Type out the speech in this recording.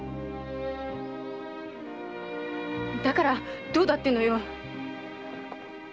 だからどうだってのよ！